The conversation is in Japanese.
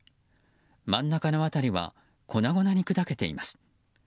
真ん中の辺りは粉々に砕けています。